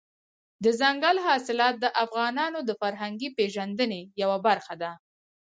دځنګل حاصلات د افغانانو د فرهنګي پیژندنې یوه برخه ده.